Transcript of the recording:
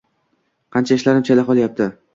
Qancha ishlarim chala qolyapti